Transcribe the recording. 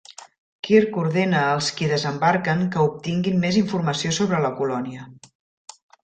Kirk ordena als qui desembarquen que obtinguin més informació sobre la colònia.